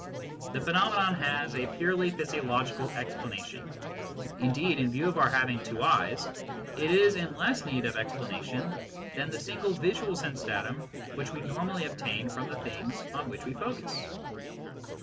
The phenomenon has a purely physiological explanation ; indeed, in view of our having two eyes, it is in less need of explanation than the single visual sense datum which we normally obtain from the things on which we focus.